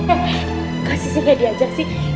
engga sissy gak diajak sih